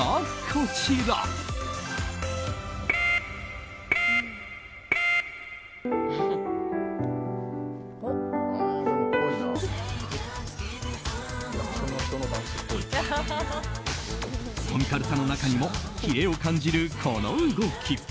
コミカルさの中にもキレを感じるこの動き。